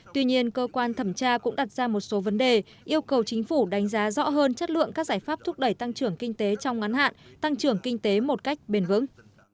tuy nhiên cơ quan thẩm tra cũng đặt ra một số vấn đề yêu cầu chính phủ đánh giá rõ hơn chất lượng các giải pháp thúc đẩy tăng trưởng kinh tế trong ngắn hạn tăng trưởng kinh tế một cách bền vững